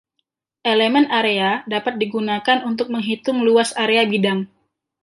Elemen area dapat digunakan untuk menghitung luas area bidang.